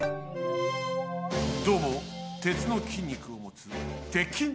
どうも鉄の筋肉をもつ鉄筋です。